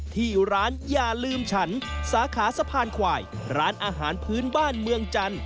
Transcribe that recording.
ที่ร้านอย่าลืมฉันสาขาสะพานควายร้านอาหารพื้นบ้านเมืองจันทร์